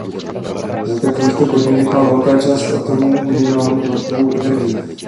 Za takovýchto podmínek má velká část atomů minimální kvantovou energii.